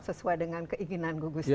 sesuai dengan keinginan gugus tugas